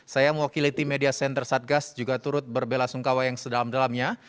saya mewakili tim media center satgas juga turut berbela sungkawa yang sedalam dalamnya